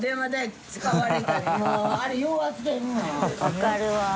分かるわぁ。